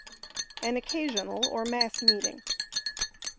An Occasional or Mass Meeting.